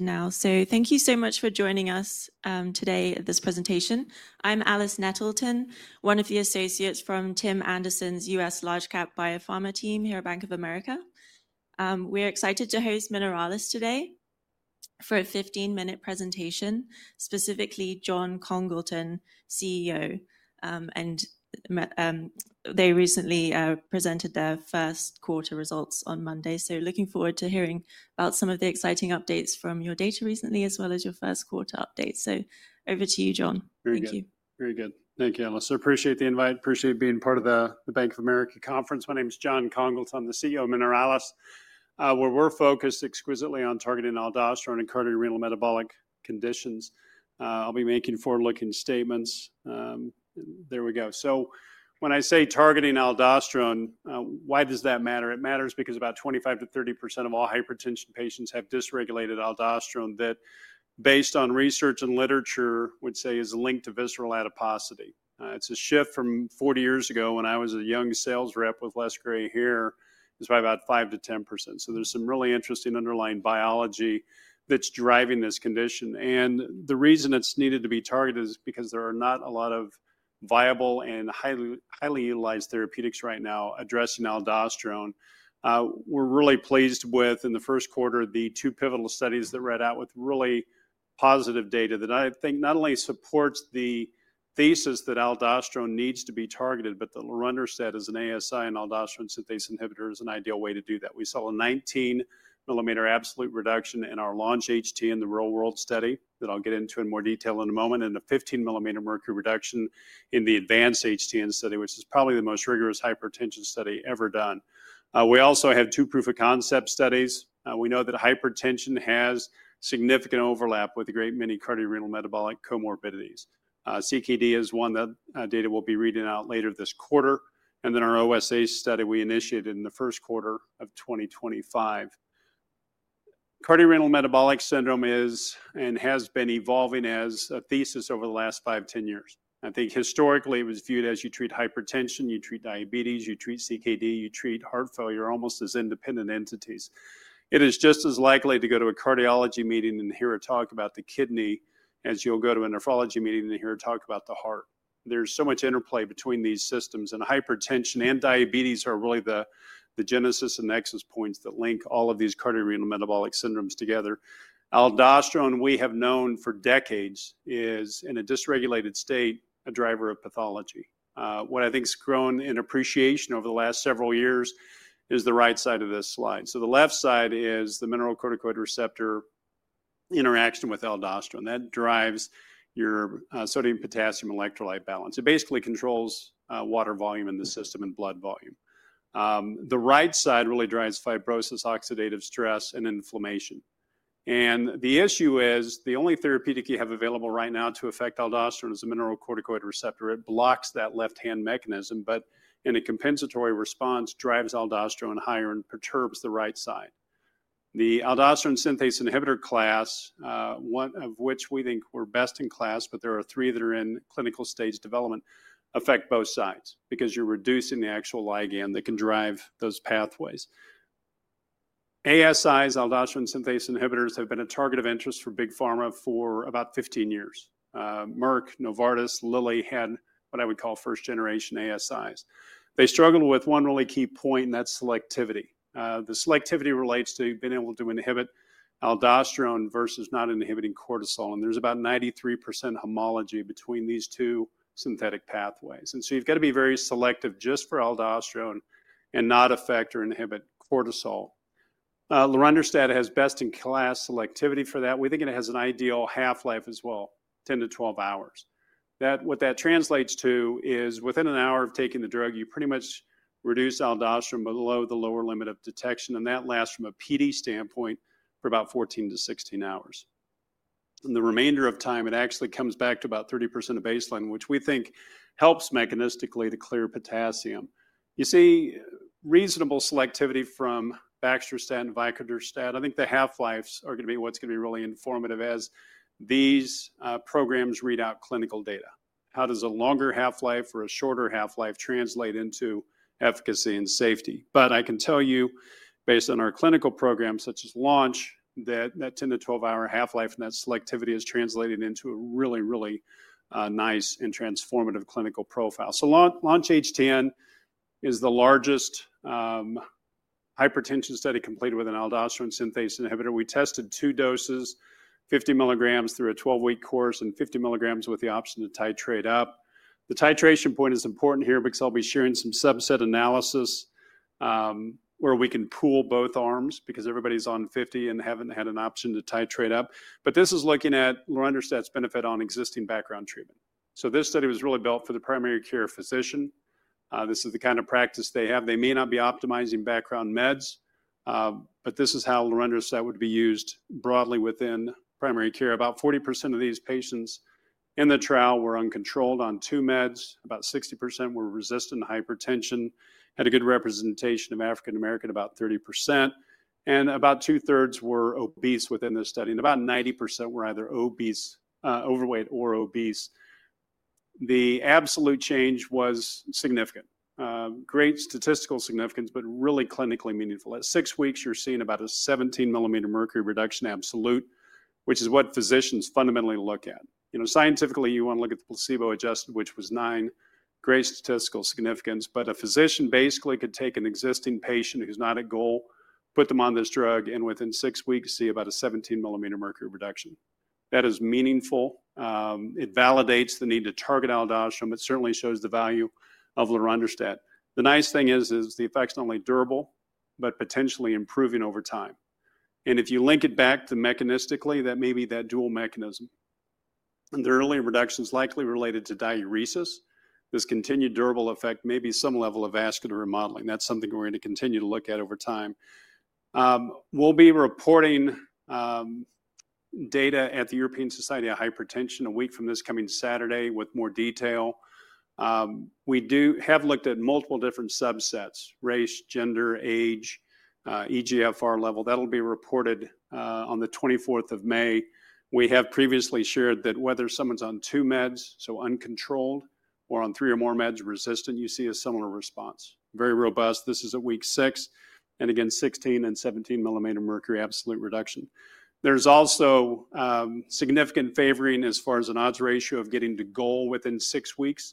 Now, thank you so much for joining us today at this presentation. I'm Alice Nettleton, one of the associates from Tim Anderson's U.S. Large Cap Biopharma team here at Bank of America. We're excited to host Mineralys today for a 15-minute presentation, specifically Jon Congleton, CEO. They recently presented their first quarter results on Monday. Looking forward to hearing about some of the exciting updates from your data recently, as well as your first quarter updates. Over to you, Jon. Very good. Thank you. Very good. Thank you, Alice. I appreciate the invite. I appreciate being part of the Bank of America conference. My name is Jon Congleton. I'm the CEO of Mineralys, where we're focused exquisitely on targeting aldosterone and cardiorenal metabolic conditions. I'll be making forward-looking statements. There we go. When I say targeting aldosterone, why does that matter? It matters because about 25%-30% of all hypertension patients have dysregulated aldosterone that, based on research and literature, I would say is linked to visceral adiposity. It's a shift from 40 years ago when I was a young sales rep with less gray hair is by about 5%-10%. There is some really interesting underlying biology that's driving this condition. The reason it's needed to be targeted is because there are not a lot of viable and highly utilized therapeutics right now addressing aldosterone. We're really pleased with, in the first quarter, the two pivotal studies that read out with really positive data that I think not only supports the thesis that aldosterone needs to be targeted, but that lorundrostat as an ASI and aldosterone synthase inhibitor is an ideal way to do that. We saw a 19 mm absolute reduction in our LAUNCH-HTN in the real-world study that I'll get into in more detail in a moment, and a 15-millimeter mercury reduction in the ADVANCE-HTN study, which is probably the most rigorous hypertension study ever done. We also have two proof of concept studies. We know that hypertension has significant overlap with a great many cardiorenal metabolic comorbidities. CKD is one that data will be reading out later this quarter. Our OSA study we initiated in the first quarter of 2025. Cardiorenal metabolic syndrome is and has been evolving as a thesis over the last 5 to 10 years. I think historically it was viewed as you treat hypertension, you treat diabetes, you treat CKD, you treat heart failure almost as independent entities. It is just as likely to go to a cardiology meeting and hear a talk about the kidney as you'll go to a nephrology meeting and hear a talk about the heart. There is so much interplay between these systems. Hypertension and diabetes are really the genesis and nexus points that link all of these cardiorenal metabolic syndromes together. Aldosterone, we have known for decades, is in a dysregulated state a driver of pathology. What I think has grown in appreciation over the last several years is the right side of this slide. The left side is the mineralocorticoid receptor interaction with aldosterone. That drives your sodium-potassium electrolyte balance. It basically controls water volume in the system and blood volume. The right side really drives fibrosis, oxidative stress, and inflammation. The issue is the only therapeutic you have available right now to affect aldosterone is a mineralocorticoid receptor. It blocks that left-hand mechanism, but in a compensatory response, drives aldosterone higher and perturbs the right side. The aldosterone synthase inhibitor class, one of which we think we're best in class, but there are three that are in clinical stage development, affect both sides because you're reducing the actual ligand that can drive those pathways. ASIs, aldosterone synthase inhibitors, have been a target of interest for big pharma for about 15 years. Merck, Novartis, Lilly had what I would call first-generation ASIs. They struggled with one really key point, and that's selectivity. The selectivity relates to being able to inhibit aldosterone versus not inhibiting cortisol. There's about 93% homology between these two synthetic pathways. You have to be very selective just for aldosterone and not affect or inhibit cortisol. Lorundrostat's data has best-in-class selectivity for that. We think it has an ideal half-life as well, 10-12 hours. What that translates to is within an hour of taking the drug, you pretty much reduce aldosterone below the lower limit of detection. That lasts from a PD standpoint for about 14-16 hours. The remainder of time, it actually comes back to about 30% of baseline, which we think helps mechanistically to clear potassium. You see reasonable selectivity from baxdrostat and vicadrostat. I think the half-lives are going to be what's going to be really informative as these programs read out clinical data. How does a longer half-life or a shorter half-life translate into efficacy and safety? I can tell you, based on our clinical program, such as LAUNCH, that 10-12 hour half-life and that selectivity has translated into a really, really nice and transformative clinical profile. LAUNCH-HTN is the largest hypertension study completed with an aldosterone synthase inhibitor. We tested two doses, 50 mg through a 12-week course and 50 mg with the option to titrate up. The titration point is important here because I'll be sharing some subset analysis where we can pool both arms because everybody's on 50 and haven't had an option to titrate up. This is looking at lorundrostat's benefit on existing background treatment. This study was really built for the primary care physician. This is the kind of practice they have. They may not be optimizing background meds, but this is how lorundrostat would be used broadly within primary care. About 40% of these patients in the trial were uncontrolled on two meds. About 60% were resistant to hypertension, had a good representation of African American, about 30%. About two-thirds were obese within this study. About 90% were either overweight or obese. The absolute change was significant, great statistical significance, but really clinically meaningful. At six weeks, you're seeing about a 17 mm mercury reduction absolute, which is what physicians fundamentally look at. Scientifically, you want to look at the placebo adjusted, which was nine, great statistical significance. A physician basically could take an existing patient who's not at goal, put them on this drug, and within six weeks see about a 17 mm mercury reduction. That is meaningful. It validates the need to target aldosterone, but certainly shows the value of lorundrostat. The nice thing is the effect's not only durable, but potentially improving over time. If you link it back to mechanistically, that may be that dual mechanism. The early reduction is likely related to diuresis. This continued durable effect may be some level of vascular remodeling. That's something we're going to continue to look at over time. We'll be reporting data at the European Society of Hypertension a week from this coming Saturday with more detail. We have looked at multiple different subsets: race, gender, age, eGFR level. That'll be reported on the 24th of May. We have previously shared that whether someone's on two meds, so uncontrolled, or on three or more meds resistant, you see a similar response. Very robust. This is at week six. Again, 16 mm and 17 mm mercury absolute reduction. There is also significant favoring as far as an odds ratio of getting to goal within six weeks.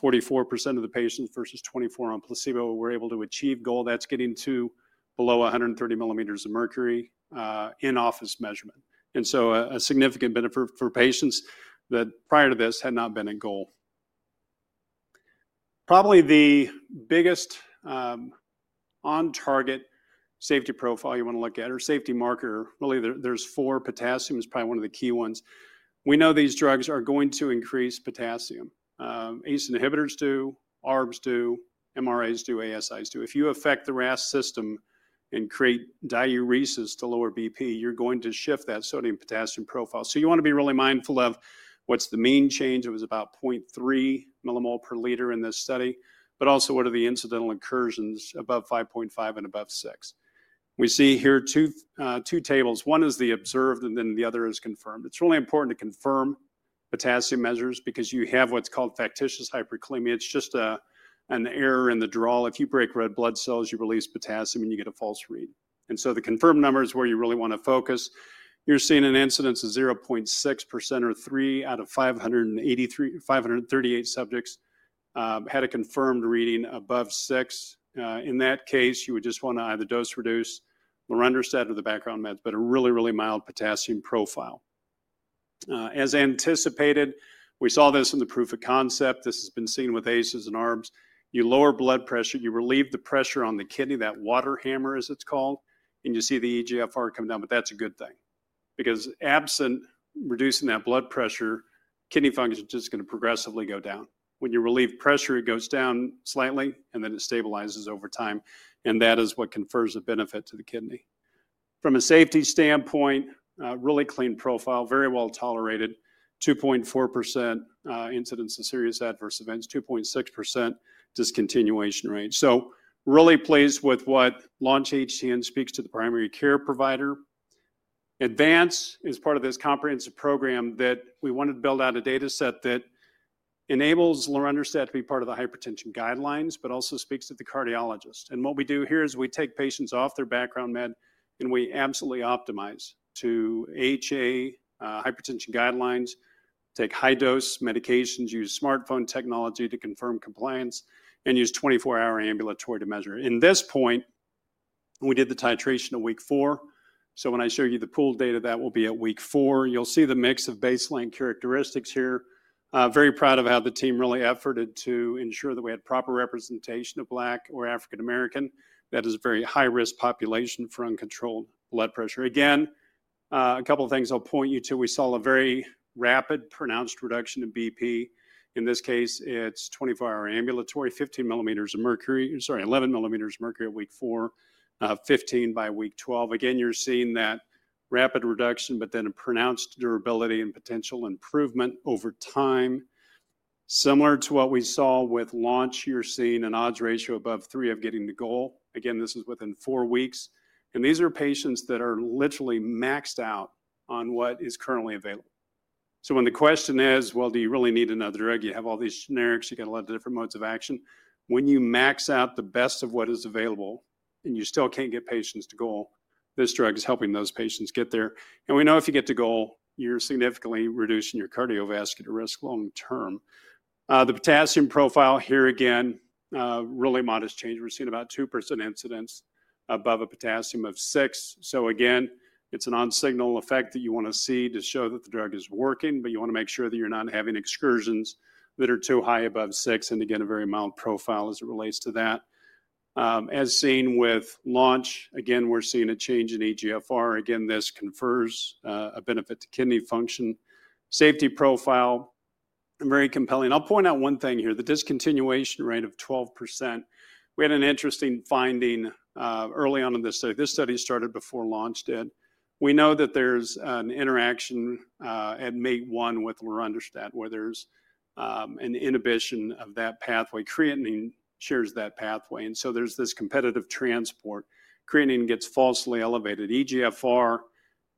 44% of the patients versus 24% on placebo were able to achieve goal. That is getting to below 130 mm of mercury in office measurement. A significant benefit for patients that prior to this had not been at goal. Probably the biggest on-target safety profile you want to look at or safety marker, really there are four. Potassium is probably one of the key ones. We know these drugs are going to increase potassium. ACE inhibitors do, ARBs do, MRAs do, ASIs do. If you affect the RAS system and create diuresis to lower BP, you are going to shift that sodium-potassium profile. You want to be really mindful of what is the mean change. It was about 0.3 mmol per liter in this study, but also what are the incidental incursions above 5.5 and above 6. We see here two tables. One is the observed and then the other is confirmed. It is really important to confirm potassium measures because you have what is called factitious hyperkalemia. It is just an error in the draw. If you break red blood cells, you release potassium and you get a false read. The confirmed number is where you really want to focus. You are seeing an incidence of 0.6% or 3 out of 538 subjects had a confirmed reading above 6. In that case, you would just want to either dose-reduce lorundrostat or the background meds, but a really, really mild potassium profile. As anticipated, we saw this in the proof of concept. This has been seen with ACEs and ARBs. You lower blood pressure, you relieve the pressure on the kidney, that water hammer as it's called, and you see the eGFR come down. That is a good thing because absent reducing that blood pressure, kidney function is just going to progressively go down. When you relieve pressure, it goes down slightly and then it stabilizes over time. That is what confers a benefit to the kidney. From a safety standpoint, really clean profile, very well tolerated, 2.4% incidence of serious adverse events, 2.6% discontinuation rate. Really pleased with what LAUNCH-HTN speaks to the primary care provider. ADVANCE is part of this comprehensive program that we wanted to build out a dataset that enables lorundrostat to be part of the hypertension guidelines, but also speaks to the cardiologist. What we do here is we take patients off their background med and we absolutely optimize to HA hypertension guidelines, take high-dose medications, use smartphone technology to confirm compliance, and use 24-hour ambulatory to measure. At this point, we did the titration at week four. When I show you the pooled data, that will be at week four. You'll see the mix of baseline characteristics here. Very proud of how the team really efforted to ensure that we had proper representation of Black or African American. That is a very high-risk population for uncontrolled blood pressure. Again, a couple of things I'll point you to. We saw a very rapid pronounced reduction in BP. In this case, it's 24-hour ambulatory, 15 mm of mercury, sorry, 11 mm of mercury at week four, 15 by week 12. Again, you're seeing that rapid reduction, but then a pronounced durability and potential improvement over time. Similar to what we saw with LAUNCH, you're seeing an odds ratio above 3 of getting to goal. Again, this is within 4 weeks. And these are patients that are literally maxed out on what is currently available. So when the question is, well, do you really need another drug? You have all these generics, you've got a lot of different modes of action. When you max out the best of what is available and you still can't get patients to goal, this drug is helping those patients get there. And we know if you get to goal, you're significantly reducing your cardiovascular risk long term. The potassium profile here again, really modest change. We're seeing about 2% incidence above a potassium of 6. Again, it's an on-signal effect that you want to see to show that the drug is working, but you want to make sure that you're not having excursions that are too high above 6. Again, a very mild profile as it relates to that. As seen with LAUNCH, again, we're seeing a change in eGFR. Again, this confers a benefit to kidney function. Safety profile, very compelling. I'll point out one thing here, the discontinuation rate of 12%. We had an interesting finding early on in this study. This study started before LAUNCH did. We know that there's an interaction and made one with lorundrostat where there's an inhibition of that pathway. Creatinine shares that pathway. So there's this competitive transport. Creatinine gets falsely elevated. eGFR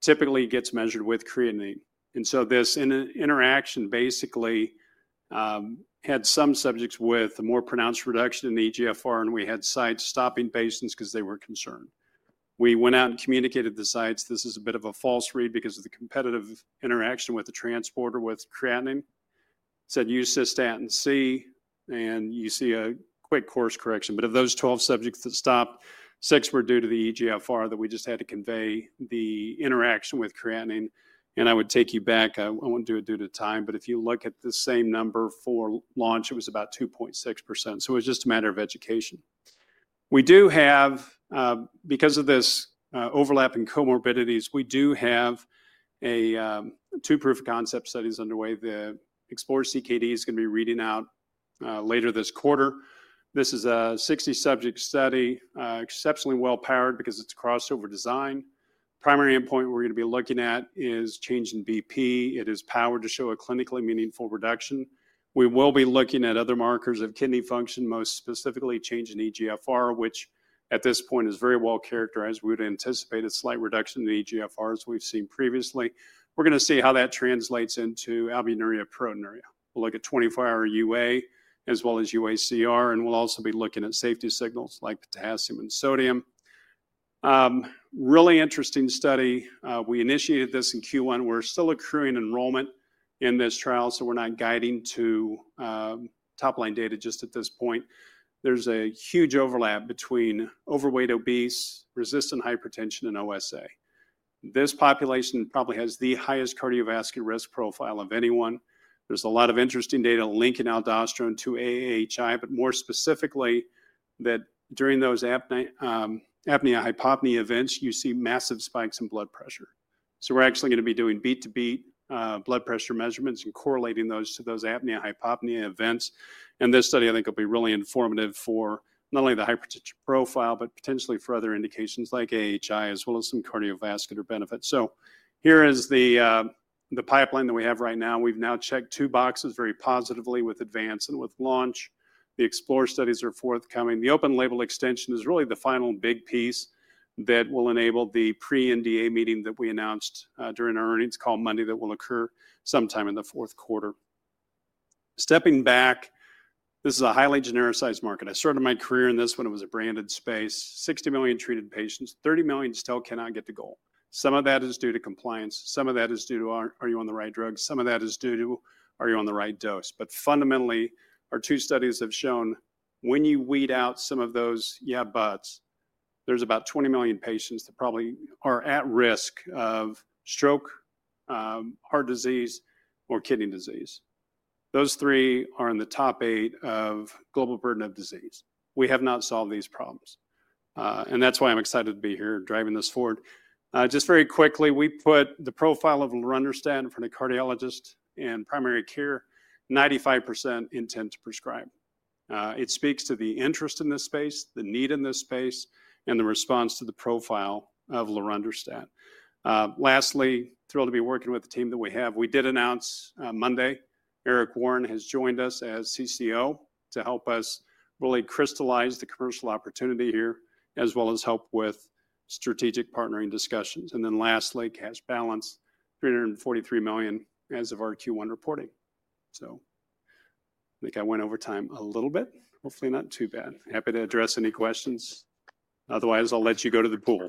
typically gets measured with creatinine. This interaction basically had some subjects with a more pronounced reduction in eGFR, and we had sites stopping patients because they were concerned. We went out and communicated to sites, this is a bit of a false read because of the competitive interaction with the transporter with creatinine. Said use cystatin C, and you see a quick course correction. Of those 12 subjects that stopped, 6 were due to the eGFR that we just had to convey the interaction with creatinine. I would take you back, I will not do it due to time, but if you look at the same number for LAUNCH, it was about 2.6%. It was just a matter of education. We do have, because of these overlapping comorbidities, we do have two proof-of-concept studies underway. The Explore-CKD is going to be reading out later this quarter. This is a 60-subject study, exceptionally well-powered because it's crossover design. Primary endpoint we're going to be looking at is change in BP. It is powered to show a clinically meaningful reduction. We will be looking at other markers of kidney function, most specifically change in eGFR, which at this point is very well characterized. We would anticipate a slight reduction in eGFR as we've seen previously. We're going to see how that translates into albuminuria and proteinuria. We'll look at 24-hour UA as well as UACR, and we'll also be looking at safety signals like potassium and sodium. Really interesting study. We initiated this in Q1. We're still accruing enrollment in this trial, so we're not guiding to top-line data just at this point. There's a huge overlap between overweight, obese, resistant hypertension, and OSA. This population probably has the highest cardiovascular risk profile of anyone. There's a lot of interesting data linking aldosterone to AHI, but more specifically that during those apnea-hypopnea events, you see massive spikes in blood pressure. We're actually going to be doing beat-to-beat blood pressure measurements and correlating those to those apnea-hypopnea events. This study, I think, will be really informative for not only the hypertension profile, but potentially for other indications like AHI as well as some cardiovascular benefits. Here is the pipeline that we have right now. We've now checked two boxes very positively with ADVANCE and with LAUNCH. The Explorer studies are forthcoming. The open label extension is really the final big piece that will enable the pre-NDA meeting that we announced during our earnings call Monday that will occur sometime in the fourth quarter. Stepping back, this is a highly genericized market. I started my career in this when it was a branded space. 60 million treated patients, 30 million still cannot get to goal. Some of that is due to compliance. Some of that is due to, are you on the right drug? Some of that is due to, are you on the right dose? Fundamentally, our two studies have shown when you weed out some of those yeah buts, there's about 20 million patients that probably are at risk of stroke, heart disease, or kidney disease. Those three are in the top eight of global burden of disease. We have not solved these problems. That's why I'm excited to be here driving this forward. Just very quickly, we put the profile of lorundrostat in front of cardiologists and primary care, 95% intent to prescribe. It speaks to the interest in this space, the need in this space, and the response to the profile of lorundrostat. Lastly, thrilled to be working with the team that we have. We did announce Monday, Eric Warren has joined us as CCO to help us really crystallize the commercial opportunity here as well as help with strategic partnering discussions. Lastly, cash balance, $343 million as of our Q1 reporting. I think I went over time a little bit. Hopefully not too bad. Happy to address any questions. Otherwise, I'll let you go to the pool.